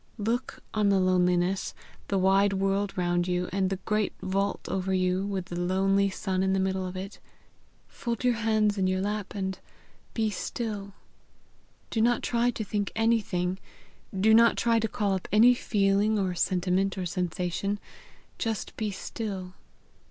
Look out on the loneliness, the wide world round you, and the great vault over you, with the lonely sun in the middle of it; fold your hands in your lap, and be still. Do not try to think anything. Do not try to call up any feeling or sentiment or sensation; just be still.